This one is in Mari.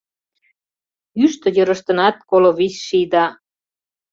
Ӱштӧ йырыштынат коло вич ший да